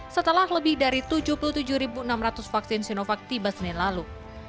setelah lebih dari tujuh puluh tujuh enam ratus vaksin sinovac tiba senin lalu